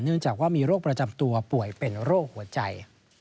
จากว่ามีโรคประจำตัวป่วยเป็นโรคหัวใจ